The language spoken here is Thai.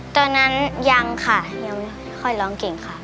ตอนนั้นยังค่ะยังไม่ค่อยร้องเก่งค่ะ